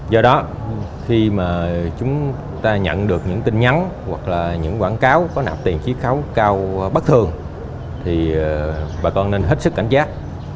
do đó khi mà chúng ta nhận được những tin nhắn hoặc là những quảng cáo có nạp tiền chí khấu cao bất thường thì bà con nên hết sức cảnh giác